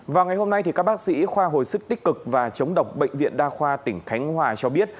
vào ngày hôm nay các bác sĩ khoa hồi sức tích cực và chống độc bệnh viện đa khoa tỉnh khánh hòa cho biết